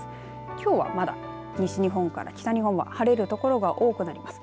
きょうはまだ西日本から北日本は晴れる所が多くなります。